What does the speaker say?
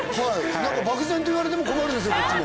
なんか漠然と言われても困るんですよこっちも。